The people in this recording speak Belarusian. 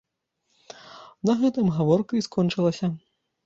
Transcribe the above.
На гэтым гаворка і скончылася.